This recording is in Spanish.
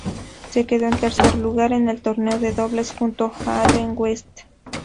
Se quedó en tercer lugar en el torneo de dobles junto a Allen West.